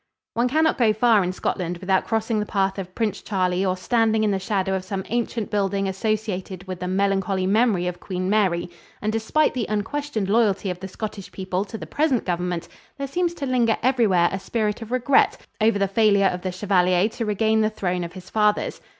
One cannot go far in Scotland without crossing the path of Prince Charlie or standing in the shadow of some ancient building associated with the melancholy memory of Queen Mary, and, despite the unquestioned loyalty of the Scottish people to the present government, there seems to linger everywhere a spirit of regret over the failure of the chevalier to regain the throne of his fathers.